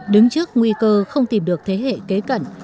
đứng trước nguy cơ không tìm được thế hệ kế cận